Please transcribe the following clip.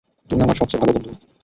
তুমি আমার সবচেয়ে ভালো বন্ধু।